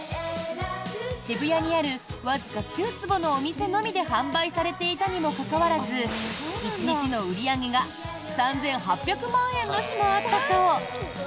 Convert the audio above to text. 渋谷にあるわずか９坪のお店のみで販売されていたにもかかわらず１日の売り上げが３８００万円の日もあったそう。